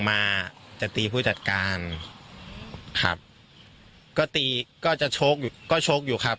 มาจะตีผู้จัดการครับก็ตีก็จะชกอยู่ก็ชกอยู่ครับ